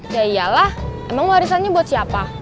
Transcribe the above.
yaiyalah emang warisannya buat siapa